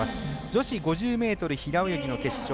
女子５０ｍ平泳ぎの決勝。